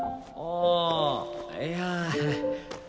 ああいや